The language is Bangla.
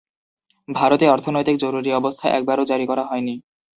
ভারতে অর্থনৈতিক জরুরি অবস্থা একবারও জারি করা হয়নি।